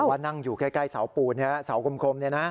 บอกว่านั่งอยู่ใกล้สาวปูนสาวกลมเนี่ยนะ